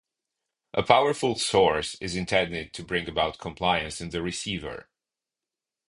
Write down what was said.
A powerful source is intended to bring about compliance in the receiver.